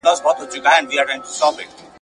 په ریاکاره ناانسانه ژبه `